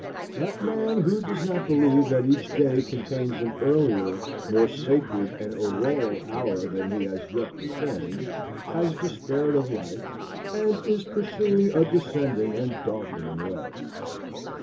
That man who does not believe that each day contains an earlier, more sacred, and auroral hour than he has yet profaned, has despaired of life, and is pursuing a descending and darkening way.